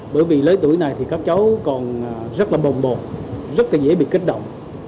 bởi vì lứa tuổi này thì các cháu còn rất là bồng bột rất là dễ bị kích động